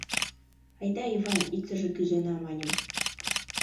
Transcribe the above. — Айда, Йыван, иктыже кӱзена, — маньым.